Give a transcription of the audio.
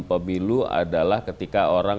pemilu adalah ketika orang